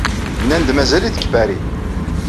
Nnan-d mazal-it deg Paris.